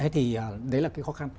thì đấy là cái khó khăn